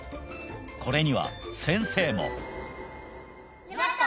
これには先生も沼っと！